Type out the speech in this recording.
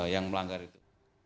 yang melanggar itu